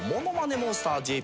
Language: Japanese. モンスターＪＰ